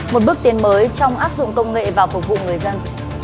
một bước tiến mới trong áp dụng công nghệ và phục vụ người dân